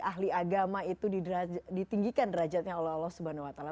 ahli agama itu ditinggikan derajatnya allah subhanahu wa ta'ala